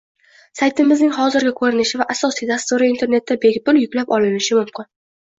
Saytimizning hozirgi ko’rinishi va asosiy dasturi internetda bepul yuklab olinishi mumkin